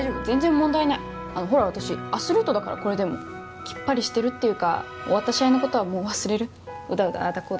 全然問題ないあのほら私アスリートだからこれでもきっぱりしてるっていうか終わった試合のことはもう忘れるうだうだああだ